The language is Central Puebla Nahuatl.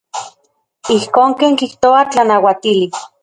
Ijkon ken kijtoa tlanauatili.